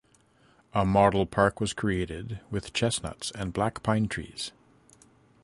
A model park was created with chestnuts and black pine trees.